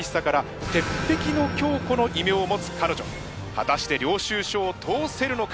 果たして領収書を通せるのか。